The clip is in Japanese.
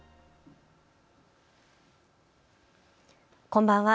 こんばんは。